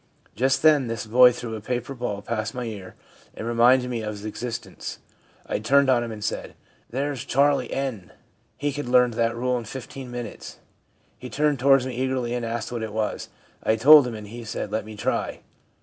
Just then this boy threw a paper ball past my ear, and reminded me of his existence. I turned on him and said, " There's Charlie N , he could learn that rule in fifteen minutes." He turned towards me eagerly and asked what it was. I told him, and he said, " Let me try."